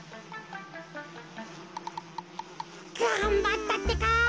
がんばったってか。